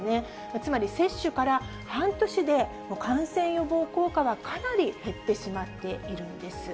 つまり接種から半年で、感染予防効果はかなり減ってしまっているんです。